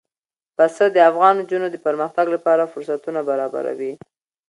پسه د افغان نجونو د پرمختګ لپاره فرصتونه برابروي.